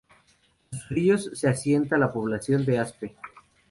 A sus orillas se asienta la población de Aspe.